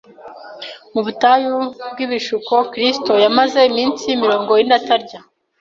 Mu butayu bw’ibishuko Kristo yamaze iminsi mirongo ine atarya.